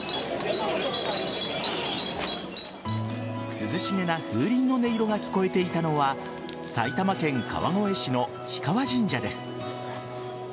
涼しげな風鈴の音色が聞こえていたのは埼玉県川越市の氷川神社です。